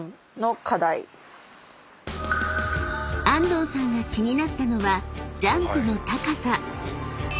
［安藤さんが気になったのはジャンプの高さ］